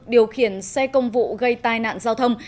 điều khiển xe công vụ gây tai nạn giao thông